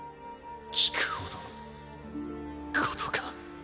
聞くほどのことか。